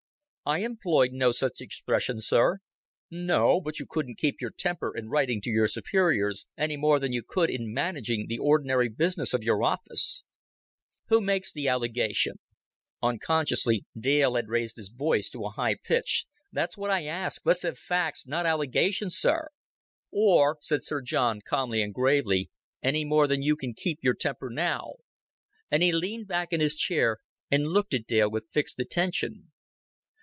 "I employed no such expression, sir." "No, but you couldn't keep your temper in writing to your superiors, any more than you could in managing the ordinary business of your office. "Who makes the allegation?" Unconsciously Dale had raised his voice to a high pitch. "That's what I ask. Let's have facts, not allegations, sir." "Or," said Sir John, calmly and gravely, "any more than you can keep your temper now;" and he leaned back in his chair and looked at Dale with fixed attention.